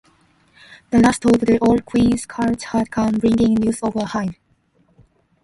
The last of the old queen's scouts had come bringing news of a hive.